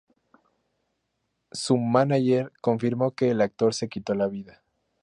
Su mánager confirmó que el actor se quitó la vida.